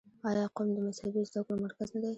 آیا قم د مذهبي زده کړو مرکز نه دی؟